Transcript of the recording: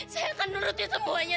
saya akan nuruti semuanya